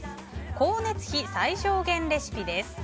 光熱費最小限レシピです。